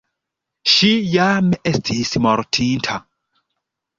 Ŝi jam estis mortinta.